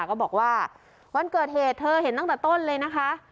ก็บอกว่าวันเกิดเหตุเธอเห็นตั้งแต่ต้นเลยนะคะ